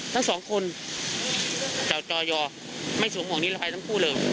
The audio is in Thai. ทั้งสองคนมีจ่อยว่าไม่สวมหมวกนี้อะไรไปทั้งคู่เลย